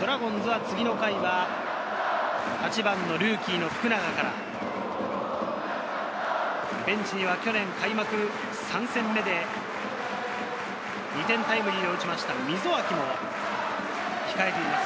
ドラゴンズは次の回は８番のルーキー・福永からベンチには去年、開幕３戦目で２点タイムリーを打ちました溝脇も控えています。